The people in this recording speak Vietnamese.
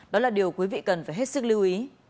đó là điều quý vị cần phải hết sức lưu ý